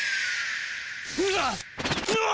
うわ！